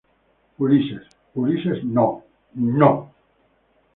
Ulises. ¡ Ulises, no! ¡ no!